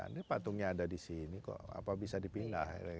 ini patungnya ada di sini kok bisa dipindah